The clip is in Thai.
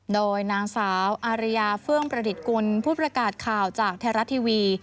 โดยนางสาวอารยาเฟื่องประดิษฐ์กุลผู้ประกาศข่าวจากไทยรัฐทีวี